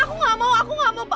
aku nggak mau aku nggak mau